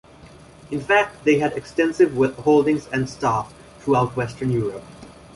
In fact, they had extensive holdings and staff throughout Western Europe.